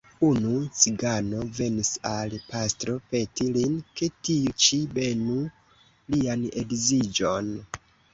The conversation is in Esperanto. Unu cigano venis al pastro peti lin, ke tiu ĉi benu lian edziĝon.